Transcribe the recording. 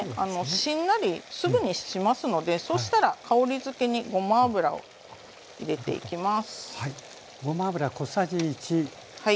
しんなりすぐにしますのでそうしたら香りづけにごま油を入れていきます。